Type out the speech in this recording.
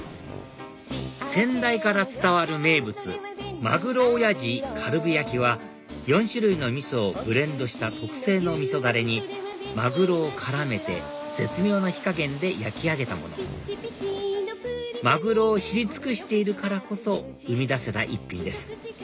先代から伝わる名物「まぐろ親父カルビ焼き」は４種類のみそをブレンドした特製のみそダレにマグロを絡めて絶妙な火加減で焼き上げたものマグロを知り尽くしているからこそ生み出せた一品です